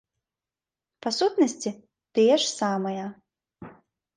Па сутнасці, тыя ж самыя.